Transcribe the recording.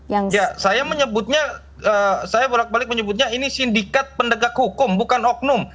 ya saya menyebutnya saya bolak balik menyebutnya ini sindikat pendegak hukum bukan oknum